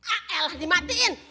ah elah dimatiin